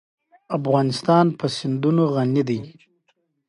افغانستان په سیندونه غني دی.